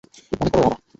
মনে করো, রামা?